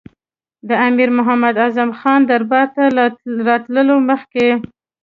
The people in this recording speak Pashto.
د امیر محمد اعظم خان دربار ته له راتللو مخکې.